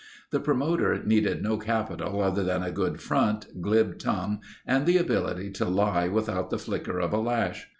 The promoter needed no capital other than a good front, glib tongue, and the ability to lie without the flicker of a lash.